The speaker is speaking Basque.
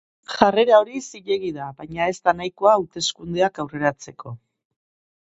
Jarrera hori zilegi da, baina ez da nahikoa hauteskundeak aurreratzeko.